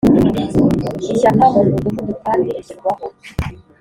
ishyaka mu mudugudu kandi ishyirwaho